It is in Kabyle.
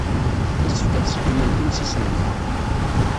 Yessefk ad ṣeggment imsismeḍ.